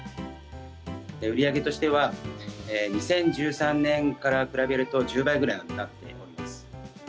売り上げとしては２０１３年から比べると、１０倍ぐらいになっております。